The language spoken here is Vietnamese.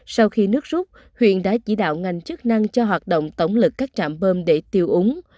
sau khi nước rút huyện đã chỉ đạo ngành chức năng cho hoạt động tổng lực các trạm bơm để tiêu úng